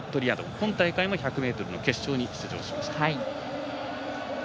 今大会も１００ｍの決勝に出場しました。